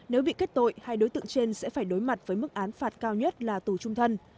nếu bị kết tội hai đối tượng trên sẽ phải đối mặt với mức án phạt cao nhất là tù trung thân